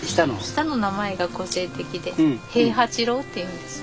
下の名前が個性的で平八郎っていうんです。